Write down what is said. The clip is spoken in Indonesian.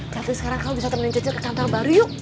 berarti sekarang kamu bisa temenin cucunya ke kantor baru yub